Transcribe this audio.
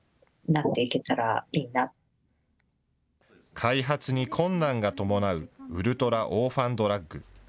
開発に困難が伴うウルトラオーファンドラッグ。